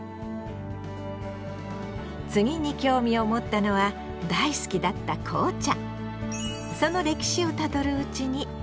次に興味を持ったのは大好きだった紅茶。